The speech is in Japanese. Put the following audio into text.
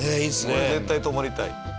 これ絶対泊まりたい。